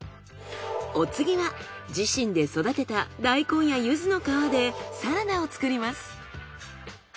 お次は自身で育てた大根やゆずの皮でサラダを作ります。